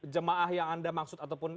jemaah yang anda maksud ataupun